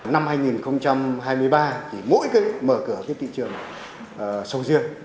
năm hai nghìn hai mươi ba mỗi mở cửa của thị trường sâu riêng